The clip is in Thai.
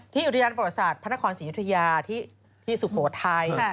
อุทยานประวัติศาสตร์พระนครศรียุธยาที่สุโขทัย